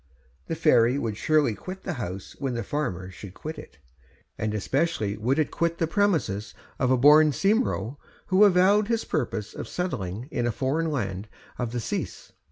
The fairy would surely quit the house when the farmer should quit it, and especially would it quit the premises of a born Cymro who avowed his purpose of settling in the foreign land of the Sais.